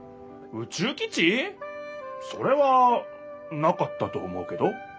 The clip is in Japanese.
それはなかったと思うけど。